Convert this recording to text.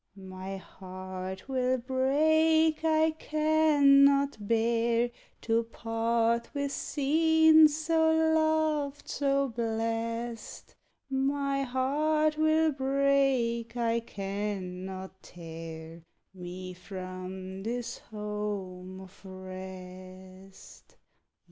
My heart will break; I cannot bear To part with scenes so loved, so blest. My heart will break; I cannot tear Me from this home of rest.